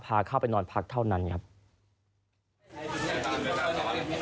พาเข้าไปนอนพักเท่านั้นอย่างนี้ครับ